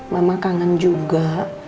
mama kangen juga